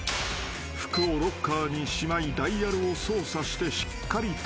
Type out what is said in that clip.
服をロッカーにしまいダイヤルを操作してしっかりと施錠］